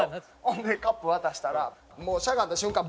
ほんでカップ渡したらもうしゃがんだ瞬間